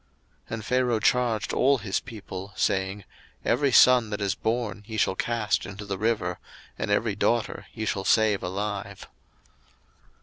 02:001:022 And Pharaoh charged all his people, saying, Every son that is born ye shall cast into the river, and every daughter ye shall save alive.